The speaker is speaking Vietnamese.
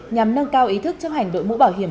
nhằm nâng cao ý thức chấp hành đội mũ bảo hiểm